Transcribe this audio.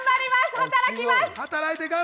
働きます！